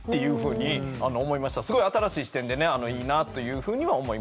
すごい新しい視点でねいいなというふうには思います。